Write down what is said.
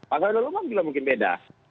pak faldo lulunga juga mungkin beda